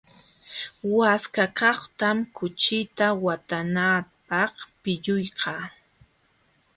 Waskakaqtam kuchita watananapaq pilluyka.